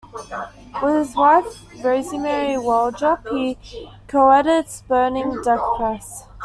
With his wife Rosmarie Waldrop, he co-edits Burning Deck Press.